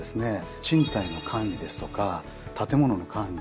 賃貸の管理ですとか建物の管理